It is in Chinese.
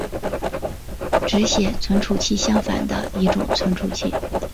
只写存储器相反的一种存储器。